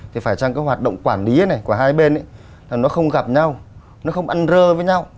thì phải chăng cái hoạt động quản lý này của hai bên là nó không gặp nhau nó không ăn rơ với nhau